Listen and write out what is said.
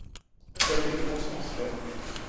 Tu as quelque bon sens, Germain.